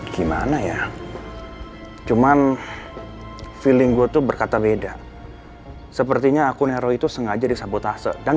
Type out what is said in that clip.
gimana ya cuman feeling gue tuh berkata beda sepertinya aku nero itu sengaja disabotase dan